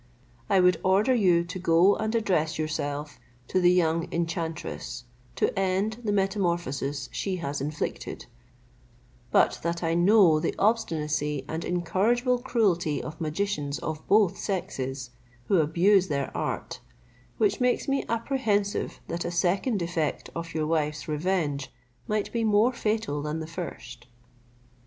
I would order you to go and address yourself to the young enchantress, to end the metamorphosis she has inflicted, but that I know the obstinacy and incorrigible cruelty of magicians of both sexes, who abuse their art; which makes me apprehensive that a second effect of your wife's revenge might be more fatal than the first."